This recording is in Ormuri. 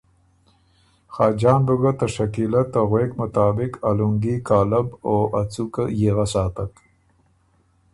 خاجان بُو ګۀ ته شکیلۀ ته غوېک مطابق ا لُونګي کالب او ا څُوکه ييغه ساتک،